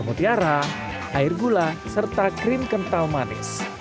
mutiara air gula serta krim kental manis